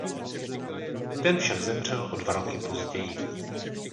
Ten však zemřel o dva roky později.